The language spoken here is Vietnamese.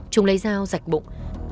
chúng lấy dao giạch bụng